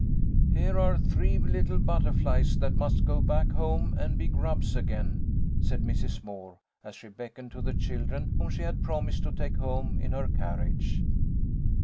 " Here are three little butterflies that must go back home and be grubs again," said Mrs. Moore, as she beckoned to the children whom she had promised to take home in her carriage.